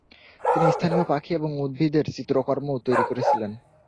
তিনি স্থানীয় পাখি এবং উদ্ভিদের চিত্রকর্মও তৈরি করেছিলেন।